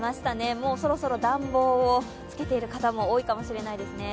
もうそろそろ暖房をつけている方も多いかもしれないですね。